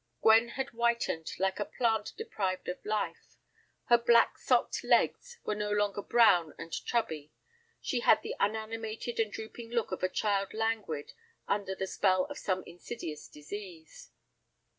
Gwen had whitened like a plant deprived of life. Her black socked legs were no longer brown and chubby. She had the unanimated and drooping look of a child languid under the spell of some insidious disease.